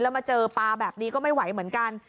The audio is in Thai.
แล้วมาเจอปลาแบบนี้ก็ไม่ไหวเหมือนกัน